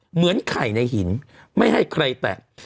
เหมือนไข่ในหินไม่ให้ใครแตะ